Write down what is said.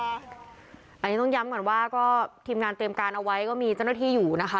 อันนี้ต้องย้ำก่อนว่าก็ทีมงานเตรียมการเอาไว้ก็มีเจ้าหน้าที่อยู่นะคะ